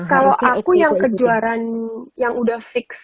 kalau aku yang kejuaraan yang udah fix